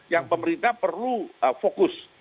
yang pemerintah perlu fokus